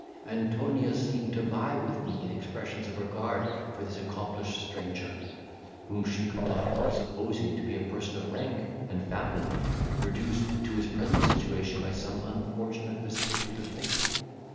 Antonia seemed to vie with me in expressions of regard for this accomplished stranger, whom she could not help supposing to be a person of rank and family, reduced to his present situation by some unfortunate vicissitude of fate.